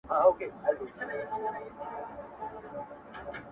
زه زما او ستا و دښمنانو ته ـ